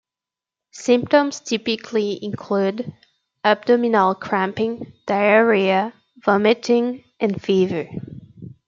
Symptoms typically include abdominal cramping, diarrhea, vomiting, and fever.